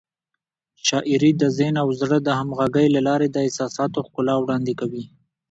شاعري د ذهن او زړه د همغږۍ له لارې د احساساتو ښکلا وړاندې کوي.